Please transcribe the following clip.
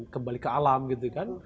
kembali ke alam gitu kan